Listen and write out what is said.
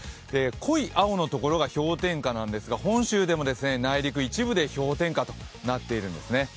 濃い青のところが氷点下なんですが本州でも内陸一部で氷点下となっているんですね。